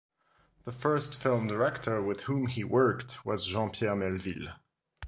The first film director with whom he worked was Jean-Pierre Melville.